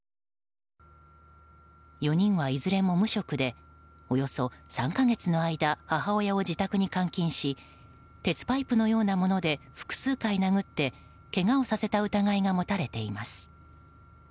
４人はいずれも無職でおよそ３か月の間母親を自宅に監禁し鉄パイプのようなもので複数回殴ってけがをさせた疑いが持たれています。